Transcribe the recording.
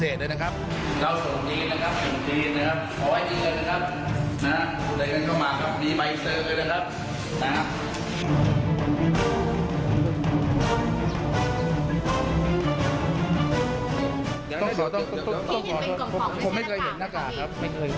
อันนี้นะครับจริงนะครับ